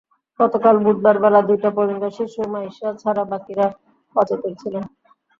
গতকাল বুধবার বেলা দুইটা পর্যন্ত শিশু মাইশা ছাড়া বাকিরা অচেতন ছিলেন।